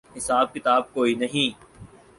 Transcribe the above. حساب کتاب کوئی نہیں۔